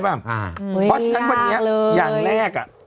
อุ้ยยากเลยเพราะฉะนั้นแบบนี้อย่างแรก